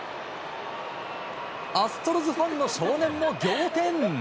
アストロズファンの少年も仰天。